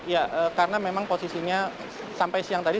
ya karena memang posisinya sampai siang tadi